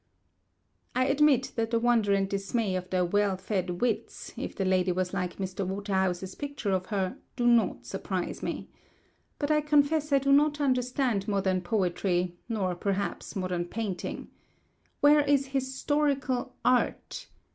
I admit that the wonder and dismay of the "well fed wits," if the Lady was like Mr. Waterhouse's picture of her, do not surprise me. But I confess I do not understand modern poetry, nor, perhaps, modern painting. Where is historical Art?